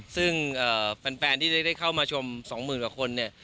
ซึ่งแฟนที่ได้เข้ามาชม๒๐๐๐กว่าคนเนี่ย